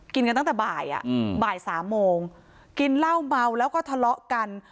กันตั้งแต่บ่ายบ่ายสามโมงกินเหล้าเมาแล้วก็ทะเลาะกัน